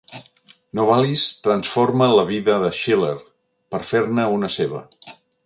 Novalis transforma la vida de Schiller, per fer-ne una seva.